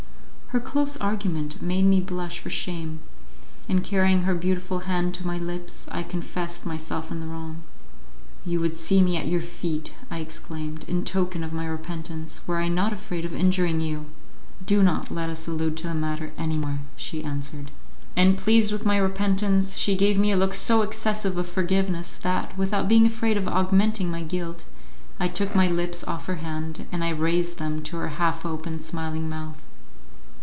Her close argument made me blush for shame, and carrying her beautiful hand to my lips, I confessed my self in the wrong. "You would see me at your feet," I exclaimed, "in token of my repentance, were I not afraid of injuring you " "Do not let us allude to the matter any more," she answered. And, pleased with my repentance, she gave me a look so expressive of forgiveness that, without being afraid of augmenting my guilt, I took my lips off her hand and I raised them to her half open, smiling mouth.